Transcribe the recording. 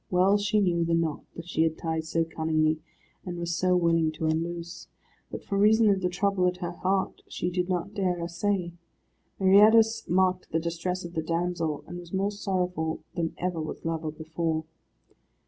Well she knew the knot that she had tied so cunningly, and was so willing to unloose; but for reason of the trouble at her heart, she did not dare essay. Meriadus marked the distress of the damsel, and was more sorrowful than ever was lover before.